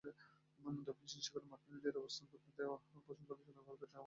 দক্ষিণ চীন সাগরে মার্কিনদের অবস্থান করতে দেওয়া প্রসঙ্গে আলোচনা করতে হবে ট্রাম্পকে।